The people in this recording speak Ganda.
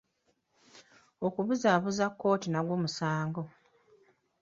Okubuzaabuza kkooti nagwo musango.